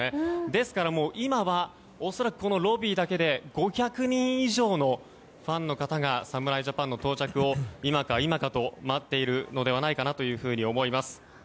ですから、今は恐らくこのロビーだけで５００人以上のファンの方が侍ジャパンの到着を今か今かと待っているのではないかと思います。